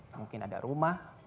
mungkin ada rumah